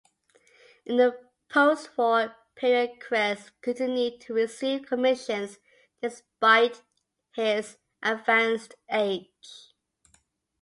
In the postwar period Kreis continued to receive commissions despite his advanced age.